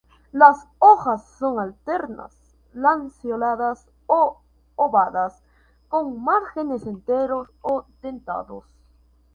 Las hojas son alternas, lanceoladas o ovadas con márgenes enteros o dentados.